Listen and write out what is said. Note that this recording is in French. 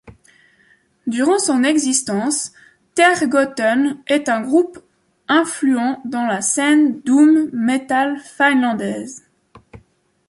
Durant son existence, Thergothon est un groupe influent dans la scène doom metal finlandaise.